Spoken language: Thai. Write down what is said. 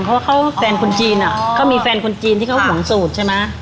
เพราะว่าเขาแฟนคนจีนเขามีแฟนคนจีนที่เขาห่วงสูตรใช่ไหม